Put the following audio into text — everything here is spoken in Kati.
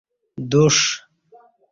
دوݜ